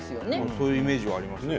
そういうイメージはありますね。